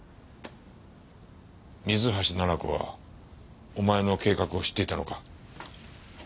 水橋奈々子はお前の計画を知っていたのか？